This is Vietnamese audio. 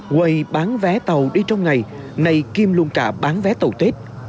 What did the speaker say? quầy bán vé tàu đi trong ngày nay kim luôn cả bán vé tàu tết